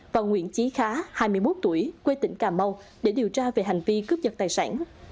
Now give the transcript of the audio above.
và nguyễn trí khá hai mươi một tuổi quê tỉnh cà mau để điều tra về hành vi cướp giật tài sản